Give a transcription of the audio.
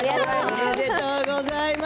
おめでとうございます。